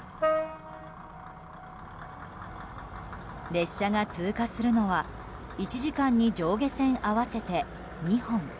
列車が通過するのは１時間に上下線合わせて２本。